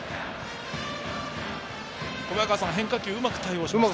小早川さん、変化球にうまく対応しましたね。